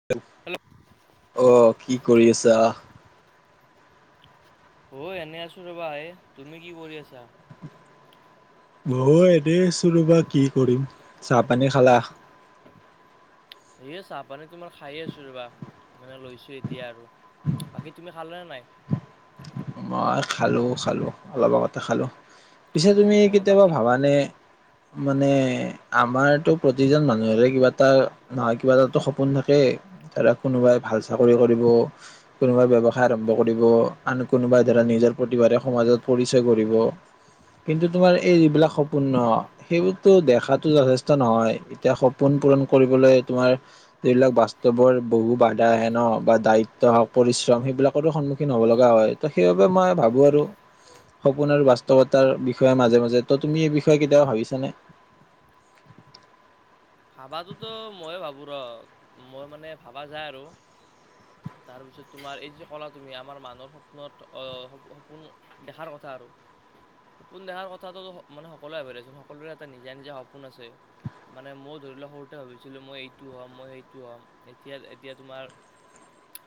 [inaudible] Hello. অ', কি কৰি আছা? অ', এনে আছো ৰবা এ তুমি কি কৰি আছা? মইও এনে আছোঁ ৰবা কি কৰিম চাহ পানী খালা? সেয়ে চাহপানী তোমাৰ খায়ে আছোঁ ৰ'বা, মানে লৈছোঁ এতিয়া আৰু। বাকী তুমি খালে নে নাই? মই খালোঁ, খালোঁ অলপ আগতে খালোঁ। পিছে তুমি অ কেতিয়াবা বাকী ভাবানে? মানে আমাৰতো প্ৰতিজন মানুহৰে কিবা এটা- নহয় কিবা এটাতো সপোন থাকে ধৰা কোনোবাই ভাল চাকৰি কৰিব। কোনোবাই ব্যৱসায় আৰম্ভ কৰিব আন কোনোবাই ধৰা নিজৰ প্ৰতিভাৰে সমাজত পৰিচয় কৰিব। কিন্তু তোমাৰ এই যিবিলাক সপোন ন। সেইবোৰতো দেখাতো যথেষ্ট নহয় এতিয়া সপোন পূৰণ কৰিবলৈ তোমাৰ। এইবিলাক বাস্তৱৰ বহু বাধা আহে ন বা দায়িত্ব হওক পৰিশ্ৰম সেইবিলাকৰো সন্মুখীন হ'ব লগা হয়। সেইবাবে মই ভাবো আৰু। সপোন আৰু বাস্তৱতাৰ বিষয়ে, মাজে মাজে ত' তুমি এই বিষয়ে কেতিয়াাবা ভাবিছানে? ভাবাতো মইও ভাবোঁ ৰ মই মানে ভাবা যায় আৰু। [unintelligible] তাৰপিছত তোমাৰ এই যে কলা তুমি আমাৰ মানুহৰ সপোনত সপোন দেখাৰ কথা আৰু। সপোন দেখাৰ কথাটো মানে সকলোৱে ভাৱেচোন সকলোৰে এটা নিজা নিজা সপোন আছে। মানে মই ধৰি লওক সৰুতে ভাবিছিলোঁ মই এইটো হ'ম মই সেইটো হ'ম এতিয়া এতিয়া তোমাৰ।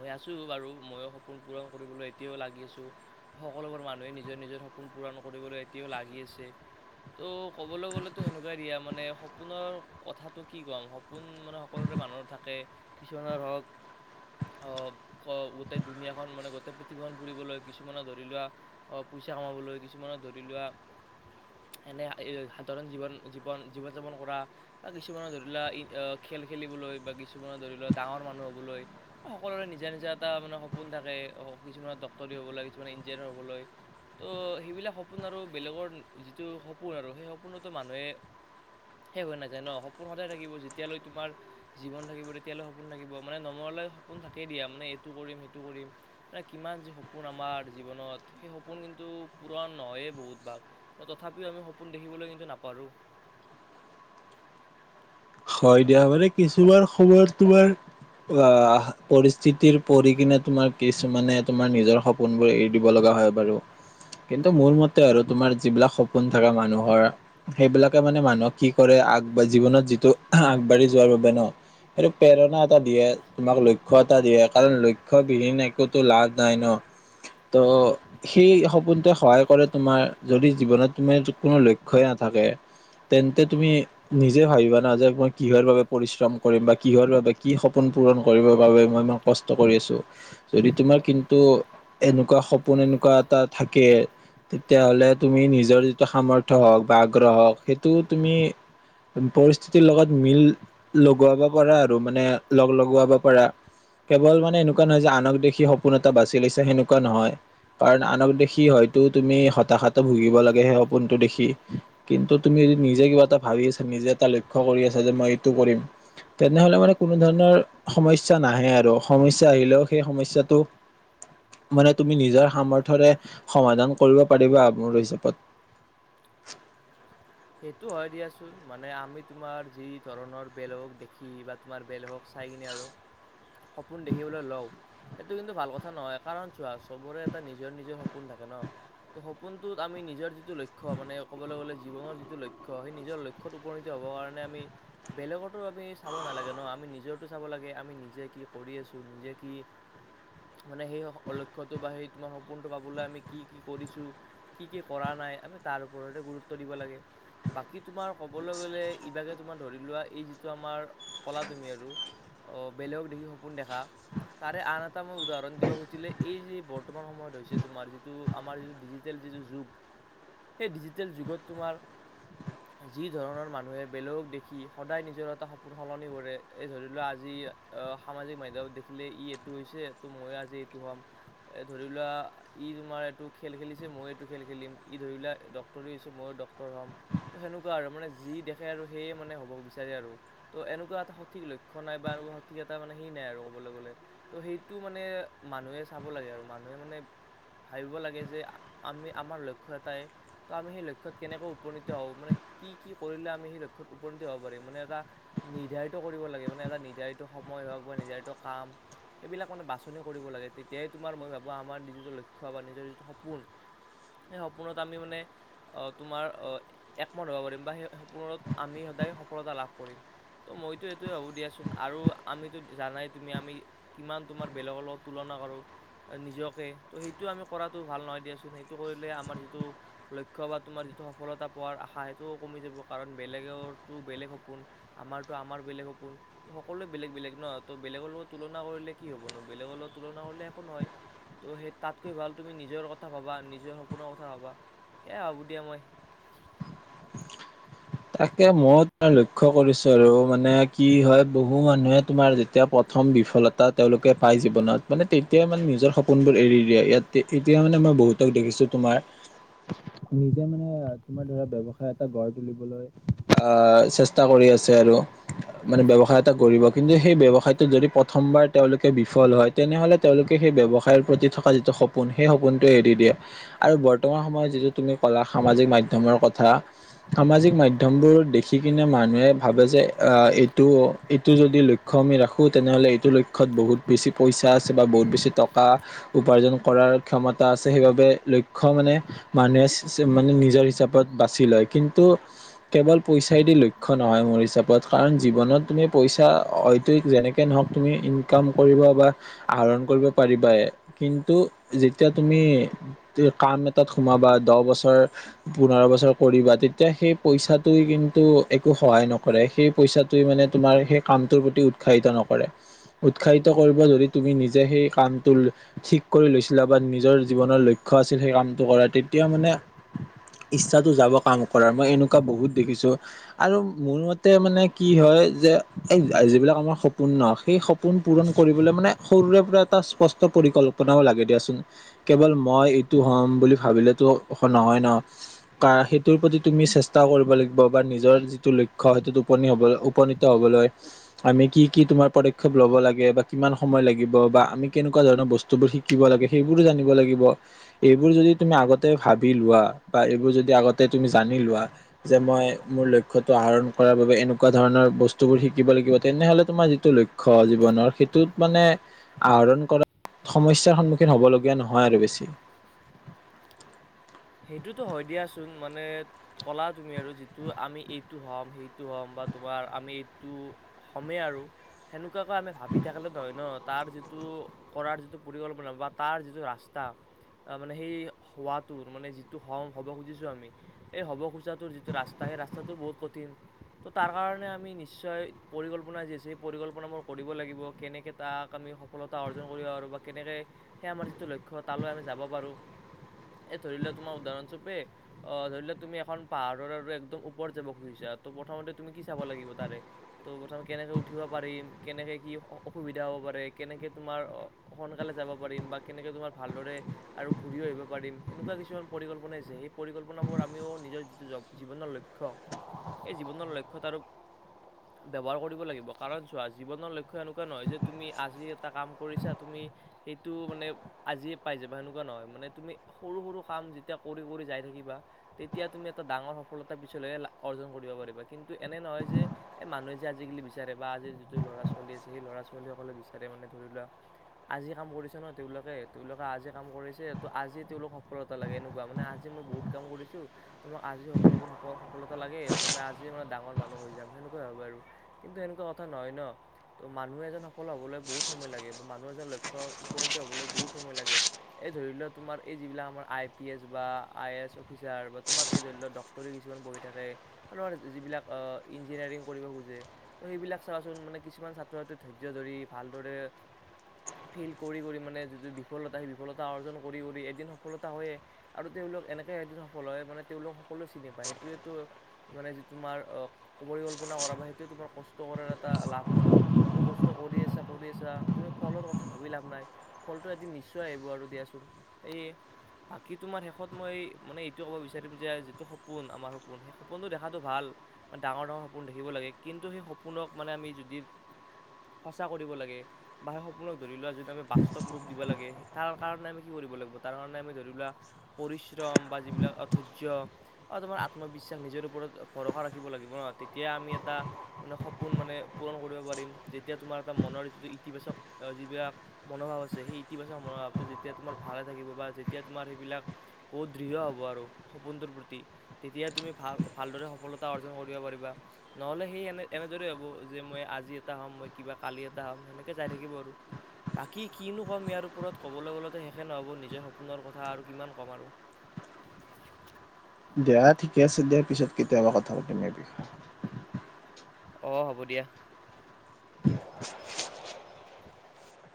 মই আছো বাৰু মইও সপোন পূৰণ কৰিবলৈ এতিয়াও লাগি আছোঁ। সকলোবোৰ মানুহে নিজৰ নিজৰ সপোন পূৰণ কৰিবলৈ এতিয়াও লাগি আছে। ত' ক'বলৈ গ'লেতো সেনেকুৱাই দিয়া মানে সপোনৰ কথাটো কি ক'ম সপোন মানে সকলোৰে মানুহৰ থাকে কিছুমানৰ ধৰক। হ ক গোটেই দুুনীয়াখন মানে গোটেই পৃথিৱীখন ফুৰিবলৈ কিছুমানে ধৰি লোৱা। অ', পইচা কমাবলৈ কিছুমানৰ ধৰি লোৱা। এনে সাধাৰণ জীৱন, জীৱন, জীৱন যাপন কৰা। বা কিছুমানৰ ধৰি লোৱা খেল খেলিবলৈ বা কিছুমানৰ ধৰি লোৱা ডাঙৰ মানুহ হ'বলৈ সকলোৰে নিজা, নিজা এটা মানে সপোন থাকে, কিছুমানৰ ডাক্তৰী, হবলৈ কিছুমান ইঞ্জিনিয়াৰ হবলৈ। ত' সেইবিলাক সপোন আৰু বেলেগৰ যিটো সপোন আৰু সেই সপোনতো মানুহে শেষ হৈ নাযায় ন সপোন সদায় থাকিব যেতিয়ালৈ তোমাৰ জীৱন থাকিব তেতিয়ালৈ সপোন থাকিব মানে নমৰলৈ সপোন থাকেই দিয়া মানে এইটো কৰিম, সেইটো কৰিম। কিমান যে সপোন আমাৰ জীৱনত সেই সপোন কিন্তু পূৰণ নহয়েই বহুত ভাগ তথাপিও আমি সপোন দেখিবলৈ কিন্তু নাপাহৰো। হয় দিয়া মানে কিছুমান সময়ত তোমাৰ অ, পৰিস্থিতিৰ পৰি কিনে তোমাৰ কিছুমানে তোমাৰ নিজৰ ফোনবোৰ এৰি দিব লগা হয় বাৰু। কিন্তু মোৰ মতে আৰু তোমাৰ যিবিলাক সপোন থকা মানুহৰ সেইবিলাকে মানে মানুহক কি কৰে আগবাজি আগবাঢ়ি জীৱনত যিটো আগবাঢ়ি যোৱাৰ বাবে ন। এইটো প্ৰেৰণা এটা দিয়ে। তোমাক লক্ষ্য এটা দিয়ে কাৰণ লক্ষ্য বিহীন একো তো লাজ নাই ন ত সেই সপোনটোৱে সহায় কৰে। তোমাৰ যদি জীৱনত তুমাৰ কোনো লক্ষ্যই নাথাকে। তেন্তে তুমি নিজে ভাবিবা না যে মই কিহৰ বাবে পৰিশ্ৰম কৰিম বা কিহৰ বাবে কি সপোন পূৰণ কৰিবৰ বাবে মই মাক কষ্ট কৰি আছো। যদি তোমাৰ কিন্তু এনেকুৱা সপোন এনেকুৱা এটা থাকে। তেতিয়াহ'লে তুমি নিজৰ যিটো সামৰ্থয় হওঁক বা আগ্ৰহ হওক সেইটো তুমি পৰিস্থিতিৰ লগত মিল লগোৱাব পাৰা আৰু মানে লগ-লগোৱাব পাৰা। কেৱল মানে এনেকুৱা নহয় যে আনক দেখি সপোন এটা বাচি লৈছে সেনেকুৱা নহয়। কাৰণ আনক দেখি হয়তো তুমি হতাশাতো ভুগিব লাগে সেই সপোনটো দেখি কিন্তু তুমি য নিজে কিবা এটা ভাবি আছা। নিজে এটা লক্ষ্য কৰি আছা। যে মই এইটো কৰিম। তেনেহলে মানে কোনো ধৰণৰ সমস্যা নাহে আৰু সমস্যা আহিলেও সেই সমস্যাটো মানে তুমি নিজৰ সামৰ্থ্ৰে সমাধান কৰিব পাৰিবা। মোৰ হিচাপত সেইটো হয় দিয়াচোন মানে আমি তোমাৰ যি ধৰণৰ বেলেগক দেখি বা তোমাৰ বেল হওক চাই কিননে আৰু সপোন দেখিবলৈ লও। সেইটো কিন্তু ভাল কথা নহয়। কাৰণ চোৱা চবৰে এটা নিজৰ, নিজৰ সপোন থাকে ন। ত, সপোন তটোত আমি নিজৰ যিটো লক্ষ্য মানে ক'বলৈ গ'লে জীৱনৰ যিটো যটো লক্ষ্য সেই নিজৰ লক্ষ্যত উপনীত হবৰ কাৰণে আমি বেলেগো আমি চাব নালাগে ন। আমি নিজো চাব লাগে আমি নিজে কি কৰি আছো। নিজে কি [inaudible] মানে সেই [unintelligible] বা সেই তোমাৰ সপোনটো পাবলৈ আমি কি, কি কৰিছো। কি, কি, কৰা নাই। আমি তাৰ ওপৰতে গুৰুত্ব দিব লাগে। বাকী তোমাৰ ক'বলৈ গ'লে ইভাগে তোমাৰ ধৰি লোৱা, এই যিটো আমাৰ কলা তুমি আৰু অ, বেলেগক দেখি সপোন দেখা। তাৰে আন এটা মই উদাহৰণ দিব খুজিছিলে। এই যে বৰ্তমান সময়ত হৈছে। তোমাৰ যিটো আমাৰ যিটো ডিজি ডিজিটেল যিটো যুগ সেই ডিজিটেল যুগত তোমাৰ যি ধৰণৰ মানুহে বেলেগক দেখি সদায় নিজৰ এটা সপোন সলনি কৰে। এই ধৰি লোৱা আজি আহ সামাজিক মাধ্যমত দেখিলে ই এইটো হৈছে। ত ময়ো আজি এইটো হ'ম এ ধৰি লোৱা। ই, তোমাৰ এইটো খেল খেলিছে। ময়ো এইটো খেল খেলিম। ই ধৰি লা ডকটৰও হৈছে ময়ো ডক্টৰ হ'ম ত, সেনেকুৱা আৰু মানে যি দেখে আৰু সেয়ে মানে হ'ব বিচাৰে আৰু ত, এনেকুৱা এটা সঠিক লক্ষ্য নাই বা এনেকুৱা সঠিক এটা মানে সি নাই আৰু ক'বলৈ গলে ত', সেইটো মানে মানুহে চাব লাগে আৰু মানুহে মানে ভাবিব লাগে যে আমি আমাৰ লক্ষ্য এটাই, তো আমি সেই লক্ষ্যত কেনেকৈ উপনীত হ'ব মানে কি, কি কৰিলে, আমি সেই লক্ষ্যত উপনীত হ'ব পাৰিম মানে এটা নিৰ্ধাৰিত কৰিব লাগে। মানে এটা নিৰ্ধাৰিত সময় হওক বা নিৰ্ধাৰিত কাম সেইবিলাক মানে বাছনি কৰিব লাগে। তেতিয়াই তোমাৰ মই ভাবোঁ আমাৰ যিটো লক্ষ্য বা নিজৰ যিটো সপোন সে, সপোনত আমি মানে তোমাৰ একমত হ'ব পাৰিম বা সেই সপ আমি সদায় সফলতা লাভ কৰিম। তো, মইতো এইটোৱে ভাবো দিয়াচোন। আৰু আমিতো জানাই তুমি আমি কিমান, তোমাৰ বেলেগৰ লগ তুলনা কৰো। নিজকে ত' সেইটো, আমি কৰাটো ভাল নহয়। দিয়াচোন সেইটো কৰিলে আমাৰ যিটো লক্ষ্য বা তোমাৰ যিটো সফলতা পোৱাৰ আশা সেইটোও কমি যাব। কাৰণ বেলেগৰো বেলেগ সপোন আমাৰতো আমাৰ বেলেগ সপোন। সকলোৱে বেলেগ বেলেগ ন, ত বেলেগৰ লগত তুলনা কৰিলে কি হ'ব নো, বেলেগৰ লগত তুলনা কৰিলে একো নহয়। ত', সেই তাতকৈ ভাল তুমি নিজৰ কথা ভাবা। নিজৰ সপোনৰ কথা ভাবা সেয়া হ'ব দিয়া। মই তাকে, মই তোমাৰ লক্ষ্য কৰিছো, আৰু মানে কি হয় বহু মানুহে তোমাৰ যেতিয়া এতিয়া প্ৰথম বিফলতা তেওঁলোকে পায় জীৱনত মানে তেতিয়াই মানে নিজৰ সপোনবোৰ এৰি দিয়ে। ইয়াত এতিয়া, মানে মই বহুতক দেখিছো। তোমাৰ নিজে মানে তোমাৰ ধৰা ব্যয়ৱসায় এটা গঢ় তুলিবলৈ। আহ, চেষ্টা কৰি আছে আৰু মানে ব্যৱসায় এটা কৰিব কিন্তু, সেই ব্যৱসায়টো যদি প্ৰথমবাৰ, তেওঁলোকে বিফল হয় তেনেহ'লে তেওঁলোকে সেই ব্যৱসায়ৰ প্ৰতি থকা যিটো শ সপোন, সেই সপোনটোৱে এৰি দিয়ে, আৰু বৰ্তমান সময়ত যিটো তুমি কলা সামাজিক মাধ্যমৰ কথা সামাজিক মাধ্য়মবোৰ দেখি কিনে মানুহে ভাবে যে, আহ এইটো এইটো যদি লক্ষ লক্ষ আমি ৰাখোঁ তেনেহ'লে এইটোৰ লক্ষ্যত বহুত বেছি পইচা আছে বা বহুত বেছি টকা উপাৰ্জন কৰাৰ ক্ষমতা আছে, সেইবাবে লক্ষ্য মানে মানুহে মানে, নিজৰ হিচাপত বাচি লয় কিন্তু কেৱল পইচাই দি, লক্ষ নহয় মোৰ হিচাপত কাৰণ জীৱনত তুমি পইচা হয়ত যেনে একে নহওক, তুমি ইনকাম কৰিব বা আহৰণ কৰিব পাৰিবাই, কিন্তু যেতিয়া তুমি কাম এটাত সোমাবা, দহ বছৰ, পোন্ধৰ বছৰ, কৰিবা তেতিয়া সেই পইচাত কিন্তু একো সহায় নকৰে, সেই পইচটোে মানে তোমাৰ সেই কামটোৰ প্ৰতি উৎসাহিত নকৰে উৎসাহিত কৰিব, যদি তুমি নিজে সেই কামটো ঠিক কৰি লৈছিলে, বা নিজৰ জীৱনৰ লক্ষ আছিল সেই কামটো কৰা, তেতিয়া মানে ইচ্ছাতো যাব কাম কৰা, মই এনেকুৱা বহুত দেখিছো আৰু মোৰ মতে মানে কি হয় যে এই যিবিলাক, আমাৰ সপোন নহয় সেই সপোন পূৰণ কৰিবলৈ মানে সৰুৰে পৰা এটা স্পষ্ট পৰিকল্প বনাব লাগে দিয়াচোন, কেৱল মই এইটো হ'ম বুলি ভাবিলেতো নহয় নহ সেইটোৰ প্ৰতি, তুমি চেষ্টা কৰিব লাগিব বা নিজৰ যিটো লক্ষ্য, সেইটোত উপনী হব উপনীত হবলৈ আমি, কি, কি, তোমাৰ পদক্ষেপ ল'ব লাগে, বা কিমান সময় লাগিব, বা আমি কেনেকুৱা ধৰণৰ বস্তুবোৰ শ দিব লাগে, সেইবোৰো জানিব লাগিব এইবোৰ যদি তুমি আগতে ভাবি লোৱা, বা এইবোৰ যদি আগতে তুমি জানি লোৱা যে মই মোৰ লক্ষ্যটো, আহৰণ কৰাৰ বাবে, এনেকুৱা ধৰণৰ বস্তুবোৰ শিকিব লাগিব তেনেহ'লে তোমাৰ যিটো লক্ষ্য জীৱনৰ সেইটোত মানে আহৰণ কৰাত, সমস্যাৰ সন্মুখীন হব লগগীয়া নহয় আৰু বেছি সেইটোতো হয় দিয়াচোন, মানে কলা তুমি আৰু যিটো, আমি এইটো হ'ম, সেইটো হ'ম, বা তোমাৰ আমি এইটো সমমে আৰু, সেনেকুৱাকৈ আমি ভাবি থাকিলে নহয় ন তাৰ যিটো কৰাৰ যিটো পৰিকল্পনা, বা তাৰ যিটো ৰাস্তা আহ মানে, সেই হোৱাটো মানে, যিটো হ'ব খুজিছো আমি এই হবৰ খুচাটোৰ যিটো ৰাস্তা সেই ৰাস্তাটো বহুত কঠিন। ত' তাৰ কাৰণে আমি, নিশ্চয় পৰিকল্পনা যি আছে সেই পৰিকল্পনা মোৰ কৰিব লাগিব। কেনেকৈ, তাক আমি সফলতা অৰ্জন কৰিব পাৰোঁ, বা কেনেকৈ সেই আমাৰ যিটো লক্ষ্য, তালৈ আমি যাব পাৰোঁ। এই ধৰি ললে, তোমাৰ উদাহৰণ চৰোপে অ', ধৰি লোৱা তুমি এখন পাহাৰৰ আৰু একদম ওপৰত যাব খুজিছা, ত প্ৰথমতে তুমি কি চাব লাগিব তাৰে ত' প্ৰথম কেনেকৈ উঠিব পাৰিম, কেনেকৈ কি অসুবিধা হ'ব পাৰে কেনেকৈ তোমাৰ সোনকালে যাব পাৰিম, বা কেনেকৈ তোমাৰ ভালদৰে আৰু ঘূৰি আহিব পাৰিম সেনেকুৱা কিছুমান পৰিকল্পনাাইছে, সেই পৰিকল্পনাবোৰ আমিও নিজৰ যিটো জ জীৱনৰ লক্ষ্য এই জীৱনৰ লক্ষ্যত আৰু [inaudible] ব্যৱহাৰ কৰিব লাগিব, কাৰণ চোৱা জীৱনৰ লক্ষ্য এনেকুৱা নহয় যে তুমি আজি এটা কাম কৰিছা তুমি সেইটো মানে আজিয়ে পাই যাবা সেনেকুৱা নহয়, মানে তুমি সৰু সৰু কাম যেতিয়া কৰি কৰি যাই থাকিবা তেতিয়া তুমি এটা ডাঙৰ সফলতা পিছলৈকে অৰ্জন কৰিব পাৰিবা, কিন্তু এনে নহয় যে এ মানুহে যে আজিকালি বিচাৰে বা আজিৰ যিটো ল'ৰা ছোৱালী আছে সেই ল'ৰা ছোৱালীসকলে বিচাৰে মানে ধৰি লোৱা আজি কাম কৰিছে ন', তেওঁলোকে তেওঁলোকে আজি কাম কৰিছে তো আজি তেওঁলোক সফলতা লাগে, এনেকুৱা মানে আজি মই বহুত কাম কৰিছো ত' মোক আজি সকলোবোৰ সফ-সফলতা লাগে তোমি আজিয়ে মানে ডাঙৰ মানুহ হৈ যাম। সেনেকুৱা ভাৱে আৰু। কিন্তু এনেকুৱা কথা নহয় ন'। তো মানুহ এজন সফল হ'বলৈ বহুত সময় লাগে, বা মানুহ এজন লক্ষ্যৰ উপনীত হ'বলৈ বহুত সময় লাগে। এই ধৰি লোৱা তোমাৰ এই যিবিলাক আমাৰ আই পি এছ বা আই এ এছ অফিচাৰ বা তোমাৰ এই ধৰি লোৱা ডক্তৰে কিছুমান বহি থাকে আৰু আ, যিবিলাক ইঞ্জিনিয়াৰিং কৰিব খোজে ত' সেইবিলাক চাবাচোন মানে কিছুমান ছাত্ৰ ছাত্ৰী ধৈৰ্য ধৰি ভালদৰে ফিল কৰি কৰি মানে যিটো বিফলতা সেই বিফলতা অৰ্জন কৰি কৰি এদিন সফলতা হয়য়ে, আৰু তেওঁলোক এনেকে এদিন সফল হয় মানে তেওঁলোক সকলোৱে চিনি পায় সেইটোৱেতো। মানে যি তোমাৰ পৰিকল্পনা কৰা বা সেইটোৱে তোমাৰ কষ্ট কৰাৰ এটা লাভ ন'। তুমি কষ্ট কৰি আছা কৰি আছা তুমি ফলৰ কথা ভাবি লাভ নাই। ফলটো এদিন নিশ্চয় আহিব আৰু দিয়াচোন, সেয়ে। বাকী তোমাৰ শেষত মই মানে এইটো ক'ব বিচাৰিম যে যিটো সপোন আমাৰ সপোন সেই সপোনটো দেখাটো ভাল ডাঙৰ ডাঙৰ সপোন দেখিব লাগে, কিন্তু সেই সপোনক মানে আমি যদি সঁচা কৰিব লাগে বা সেই সপোনক ধৰি লোৱা যদি আমি বাস্তৱ ৰূপ দিব লাগে তাৰ কাৰণে আমি কি কৰিব লাগিব ব তাৰ কাৰণে আমি ধৰিলোৱা পৰিশ্ৰম বা যিবিলাক অ ধৈৰ্য অ', তোমাৰ আত্মবিশ্বাস নিজৰ ওপৰত ভৰসা ৰাখিব লাগিব ন' তেতিয়া আমি এটা মানে সপোন মানে পূৰণ কৰিব পাৰিম, যেতিয়া তোমাৰ এটা মনৰ যিটো ইতিবাচক যিবিলাক মনোভাৱ আছে সেই ইতিবাচক মনোভাৱটো যেতিয়া তোমাৰ ভালে থাকিব বা যেতিয়া তোমাৰ সেইবিলাক বহুত দৃঢ় হ'ব আৰু সপোনটোৰ প্ৰতি। তেতিয়া তুমি ভাল ভালদৰে সফলতা অৰ্জন কৰিব পাৰিবা। নহ'লে সেই এনে-এনেদৰেই হ'ব যে মই আজি এটা হ'ম, মই কিবা কালি এটা হ'ম, সেনেকে যাই থাকিব আৰু। বাকী কিনো ক'ম ইয়াৰ ওপৰত ক'বলৈ গ'লেতে শেষে নহ'ব নিজৰ সপোনৰ কথা আৰু কিমান ক'ম আৰু। দিয়া ঠিকে আছে দিয়া, পিছত কেতিয়াবা কথা পাতিম এই বিষয়ে। অ', হ'ব দিয়া।